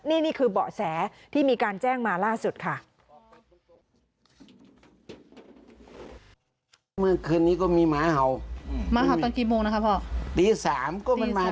นี่คือเบาะแสที่มีการแจ้งมาล่าสุดค่ะ